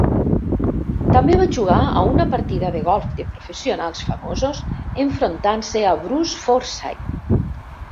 També va jugar a una partida de golf de professionals famosos enfrontant-se a Bruce Forsyth.